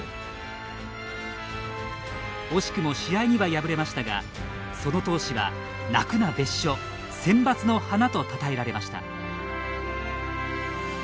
惜しくも試合には敗れましたがその闘志は「泣くな別所センバツの花」とたたえられました。